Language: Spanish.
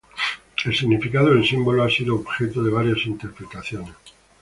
El significado del símbolo ha sido objeto de varias interpretaciones.